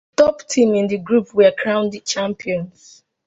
The top team in the group were crowned the Champions.